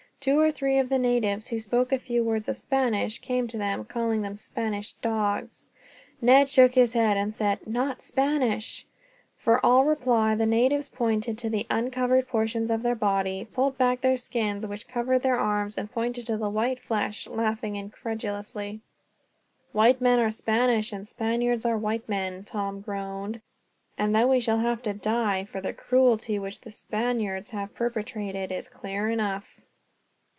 Two or three of the natives who spoke a few words of Spanish came to them, calling them Spanish dogs. Ned shook his head and said, "Not Spanish." For all reply the natives pointed to the uncovered portions of their body, pulled back the skins which covered their arms and, pointing to the white flesh, laughed incredulously. "White men are Spaniards, and Spaniards are white men," Tom groaned, "and that we shall have to die, for the cruelty which the Spaniards have perpetrated, is clear enough.